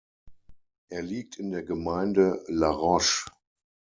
Er liegt in der Gemeinde La Roche.